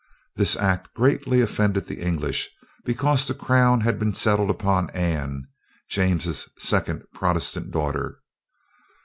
This act greatly offended the English, because the crown had been settled upon Anne, James' second Protestant daughter.